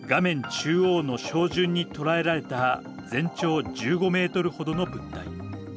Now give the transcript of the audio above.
中央の照準に捉えられた全長１５メートルほどの物体。